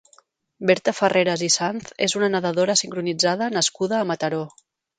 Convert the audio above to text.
Berta Ferreras i Sanz és una nedadora sincronitzada nascuda a Mataró.